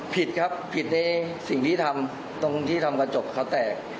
ผิดครับผิดในสิ่งที่ทำตรงที่ทำกระจกเขาแตก